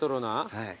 はい。